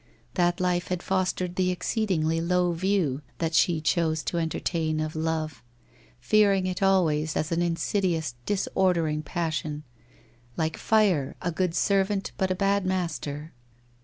That life had fostered the exceedingly low view that she chose to enter tain of love, fearing it always as an insidious disorder ing passion; like fire, a good servant, but a bad master.